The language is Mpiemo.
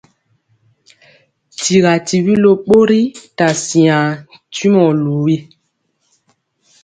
Tyira tibi ló bori ta siaŋ tyumɔ luwi.